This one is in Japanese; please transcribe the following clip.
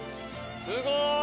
すごーい！